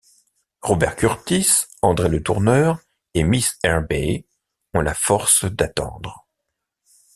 Robert Kurtis, André Letourneur et miss Herbey ont la force d’attendre.